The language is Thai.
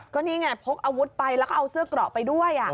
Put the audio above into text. ก็นี่ไงพกอาวุธไปแล้วก็เอาเสื้อเกราะไปด้วย